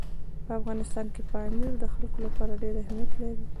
په افغانستان کې پامیر د خلکو لپاره ډېر اهمیت لري.